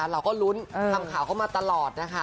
เราก็ลุ้นทำข่าวเข้ามาตลอดนะคะ